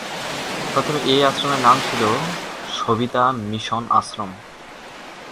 প্রথমে এই আশ্রমের নাম ছিল সবিতা মিশন আশ্রম।